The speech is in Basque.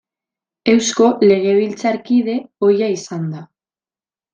Eusko Legebiltzarkide ohia izan da.